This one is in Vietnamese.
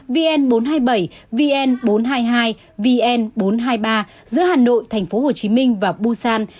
vn bốn trăm hai mươi bảy vn bốn trăm hai mươi hai vn bốn trăm hai mươi ba giữa hà nội tp hcm và busan